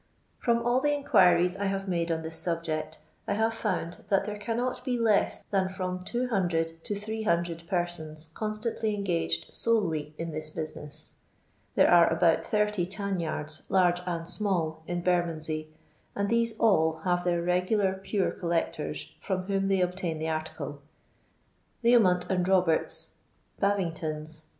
From all the inquiries I have made on this sub ject, I have found that there cannot be less than from 200 to 300 persons constantly engaged solely in this business. There are about 80 tanyards large and small in Bernondscy, and these all have their regular Pure coUecton from whom they obtain tJie article. Leomont and Roberts's, Baving tons'.